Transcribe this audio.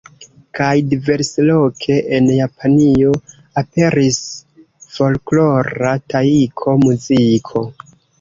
Kaj diversloke en Japanio aperis folklora Taiko-muziko.